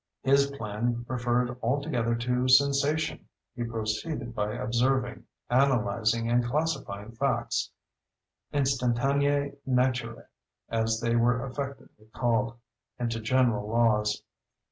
His plan referred altogether to Sensation. He proceeded by observing, analyzing, and classifying facts instantiae naturae, as they were affectedly called—into general laws.